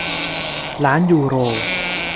ล้านยูโร